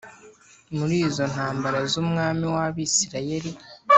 Muri izo ntambara z umwami w Abisirayeli